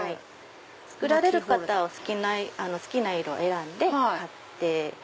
作られる方は好きな色選んで買って。